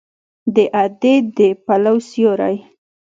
د ادې د پلو سیوری